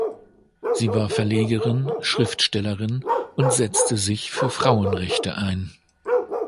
Sie war Verlegerin, Schriftstellerin und setzte sich für Frauenrechte ein.